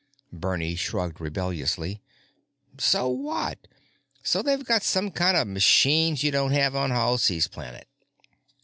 Bernie shrugged rebelliously. "So what? So they've got some kinds of machines you don't have on Halsey's Planet?"